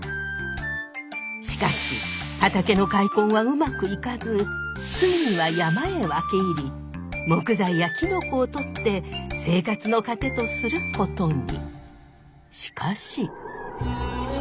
しかし畑の開墾はうまくいかずついには山へ分け入り木材やキノコを採って生活の糧とすることに。